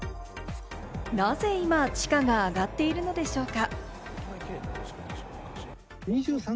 なぜ地価が上がっているのでしょうか。